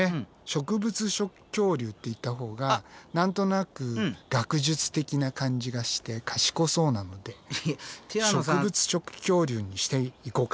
植物食恐竜って言ったほうが何となく学術的な感じがして賢そうなので植物食恐竜にしていこうか。